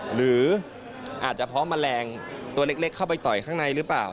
หรืออาจจะเพราะแมลงตัวเล็กเข้าไปต่อยข้างในหรือเปล่า